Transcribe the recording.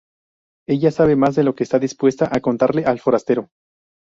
Ella sabe más de lo que está dispuesta a contarle al forastero.